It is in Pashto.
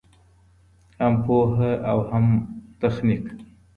هم پوهه او هم تخنیک.